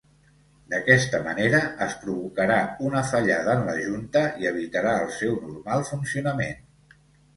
D'aquesta manera, es provocarà una fallada en la junta i evitarà el seu normal funcionament.